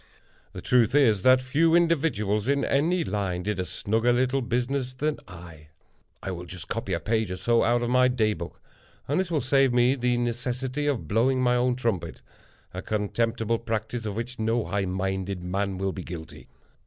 The truth is, that few individuals, in any line, did a snugger little business than I. I will just copy a page or so out of my Day Book; and this will save me the necessity of blowing my own trumpet—a contemptible practice of which no high minded man will be guilty.